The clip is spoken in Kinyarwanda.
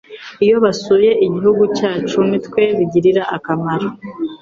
Iyo basuye igihugu cyacu ni twe bigirira akamaro